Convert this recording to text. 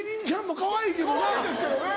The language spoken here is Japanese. かわいいですけどね。